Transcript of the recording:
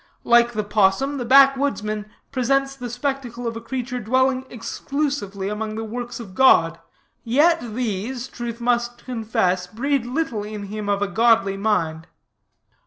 Like the 'possum, the backwoodsman presents the spectacle of a creature dwelling exclusively among the works of God, yet these, truth must confess, breed little in him of a godly mind.